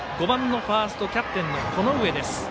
５番のファーストキャプテンの此上です。